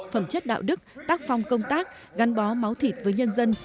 phẩm chất đạo đức tác phong công tác gắn bó máu thịt với nhân dân